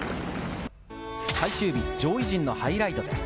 最終日、上位陣のハイライトです。